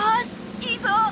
いいぞ。